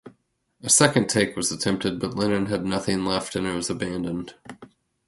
A second take was attempted, but Lennon had nothing left and it was abandoned.